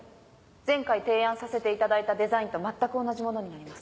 前回提案させて頂いたデザインと全く同じものになります。